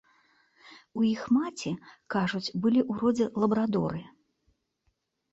У іх маці, кажуць, былі ў родзе лабрадоры.